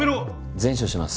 善処します。